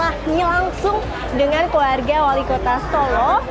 aminah alaikum warahmatullahi wabarakatuh